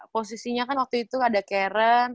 posisinya kan waktu itu ada karen